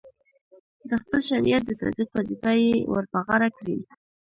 د خپل شریعت د تطبیق وظیفه یې ورپه غاړه کړې.